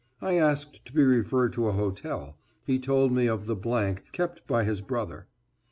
I asked to be referred to a hotel. He told me of the kept by his brother.